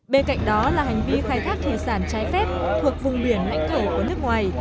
bên cạnh đó là hành vi khai thác thủy sản trái phép thuộc vùng biển lãnh thổ của nước ngoài